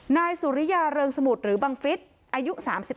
นายสุริยาเริงสมุทรหรือบังฟิศอายุ๓๙